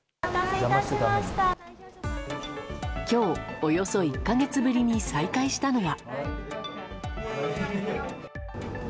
今日、およそ１か月ぶりに再開したのは。